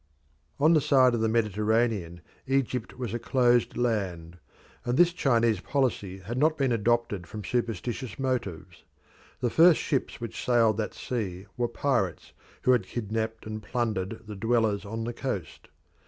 On the side of the Mediterranean Egypt was a closed land, and this Chinese policy had not been adopted from superstitious motives. The first ships which sailed that sea were pirates who had kidnapped and plundered the dwellers on the coast.